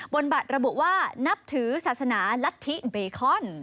บนบัตรระบุว่านับถือศาสนารัฐธิเบคอน